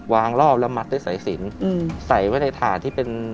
วางรอบแล้วมัดได้ใส่ศีลใส่ไว้ในถ่านที่เป็น